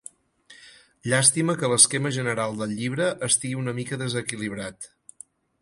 Llàstima que l'esquema general del llibre estigui una mica desequilibrat.